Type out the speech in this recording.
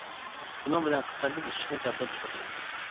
شۇنىڭ بىلەن قىسمەتلىك ئىششىقنى كەلتۈرۈپ چىقىرىدۇ.